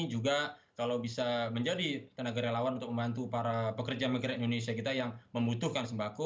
juga kalau bisa menjadi tenaga relawan untuk membantu para pekerja migran indonesia kita yang membutuhkan sembako